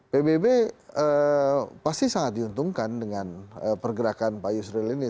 pbb pasti sangat diuntungkan dengan pergerakan pak yusril ini